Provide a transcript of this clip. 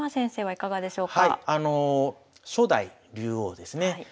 初代竜王ですね。